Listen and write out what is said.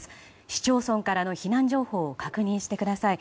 市町村からの避難情報を確認してください。